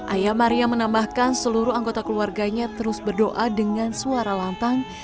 ayah maria menambahkan seluruh anggota keluarganya terus berdoa dengan suara lantang